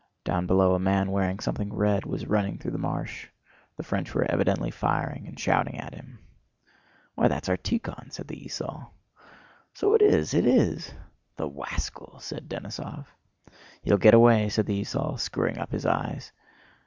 Down below, a man wearing something red was running through the marsh. The French were evidently firing and shouting at him. "Why, that's our Tíkhon," said the esaul. "So it is! It is!" "The wascal!" said Denísov. "He'll get away!" said the esaul, screwing up his eyes.